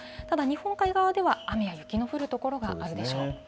ただ、日本海側では雨や雪の降る所があるでしょう。